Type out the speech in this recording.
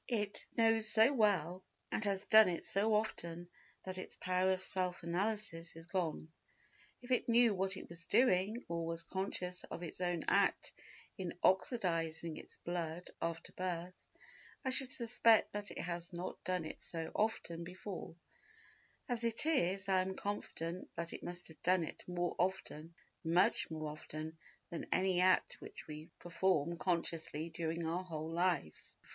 It knows so well and has done it so often that its power of self analysis is gone. If it knew what it was doing, or was conscious of its own act in oxidising its blood after birth, I should suspect that it had not done it so often before; as it is I am confident that it must have done it more often—much more often—than any act which we perform consciously during our whole lives.